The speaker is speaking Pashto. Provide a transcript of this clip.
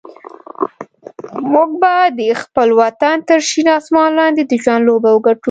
موږ به د خپل وطن تر شین اسمان لاندې د ژوند لوبه وګټو.